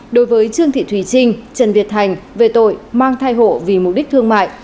đối với trương thị thùy trinh trần việt thành về tội mang thai hộ vì mục đích thương mại